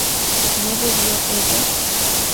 ¿no bebió ella?